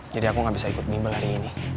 jadi aku gak bisa ikut bimbel hari ini